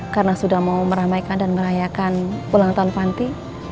karena sudah mau meramaikan dan merayakan ulang tahun panti